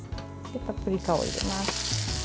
パプリカを入れます。